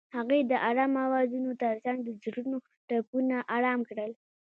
هغې د آرام اوازونو ترڅنګ د زړونو ټپونه آرام کړل.